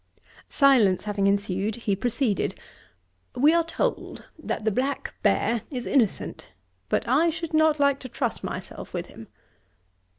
Silence having ensued, he proceeded: 'We are told, that the black bear is innocent; but I should not like to trust myself with him.'